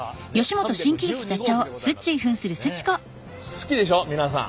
好きでしょ皆さん。